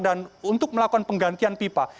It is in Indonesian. dan untuk melakukan penggantian pipa